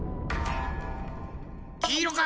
きいろか？